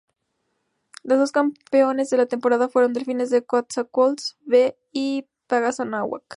Los dos campeones de la temporada fueron Delfines de Coatzacoalcos "B" y Pegaso Anáhuac.